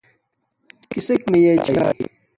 کسک مییے چھاݵ